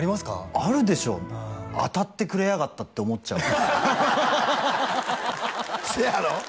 あるでしょ当たってくれやがったって思っちゃうハハハハせやろ？